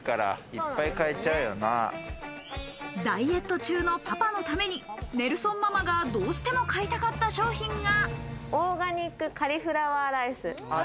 ダイエット中のパパのためにネルソンママがどうしても買いたかった商品が。